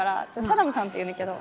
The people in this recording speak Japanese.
サダムさんっていうねんけど。